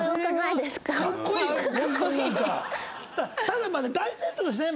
ただまあね大前提としてね